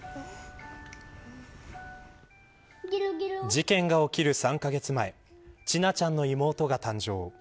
事件が起きる３カ月前千奈ちゃんの妹が誕生。